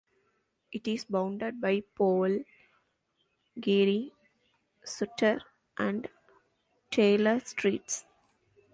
It is bounded by Powell, Geary, Sutter, and Taylor Streets.